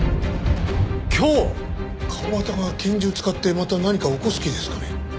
川端が拳銃使ってまた何か起こす気ですかね？